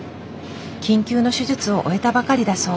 緊急の手術を終えたばかりだそう。